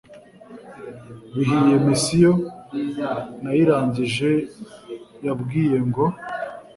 bihiye mission nayirangije yabwiye ngo